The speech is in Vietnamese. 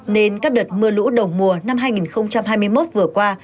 nên các đợt mưa lũ đầu mùa năm hai nghìn hai mươi một vừa qua